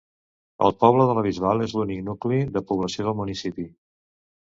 El poble de la Bisbal és l'únic nucli de població del municipi.